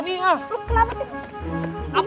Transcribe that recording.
lu kenapa sih